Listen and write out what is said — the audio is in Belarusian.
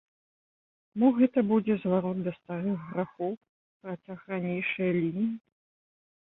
Мо гэта будзе зварот да старых грахоў, працяг ранейшае лініі?